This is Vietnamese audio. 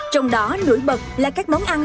trong đó nổi bật là các món ăn